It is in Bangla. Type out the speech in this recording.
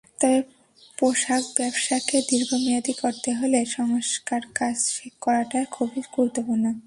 তবে পোশাক ব্যবসাকে দীর্ঘমেয়াদি করতে হলে সংস্কারকাজ শেষ করাটা খুবই গুরুত্বপূর্ণ।